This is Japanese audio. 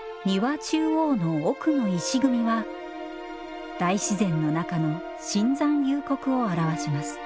中央の奥の石組みは大自然の中の深山幽谷を表します。